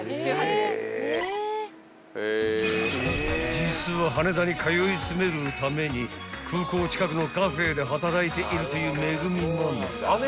［実は羽田に通い詰めるために空港近くのカフェで働いているというめぐみママ］